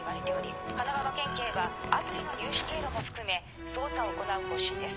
神奈川県警はアプリの入手経路も含め捜査を行う方針です。